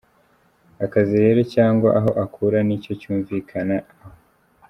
Akazi rero cyangwa aho akura nicyo cyumvikana aho.